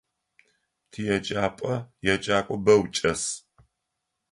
Тиеджапӏэ еджакӏо бэу чӏэс.